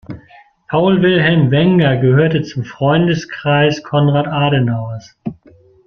Paul Wilhelm Wenger gehörte zum Freundeskreis Konrad Adenauers.